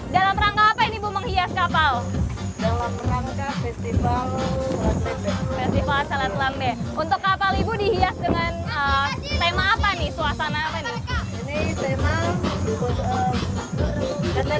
dalam rangka apa ini bu menghias kapal